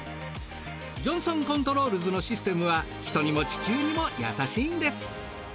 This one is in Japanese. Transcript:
ジョンソンコントロールズのシステムは人にも地球にも優しいんです。